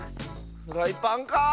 フライパンか？